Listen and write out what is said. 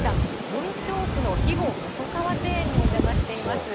文京区の肥後細川庭園にお邪魔しています。